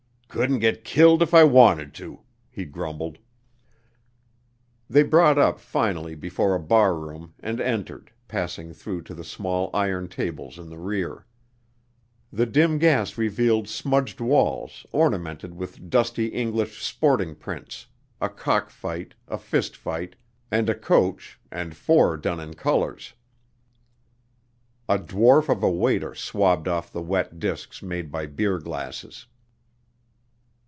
"Couldn't git killed if I wanted to," he grumbled. They brought up finally before a barroom and entered, passing through to the small iron tables in the rear. The dim gas revealed smudged walls ornamented with dusty English sporting prints a cock fight, a fist fight, and a coach and four done in colors. A dwarf of a waiter swabbed off the wet disks made by beer glasses.